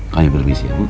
kau yang permisi ya bu